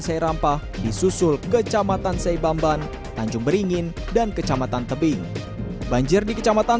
seirampah disusul kecamatan seibamban tanjung beringin dan kecamatan tebing banjir di kecamatan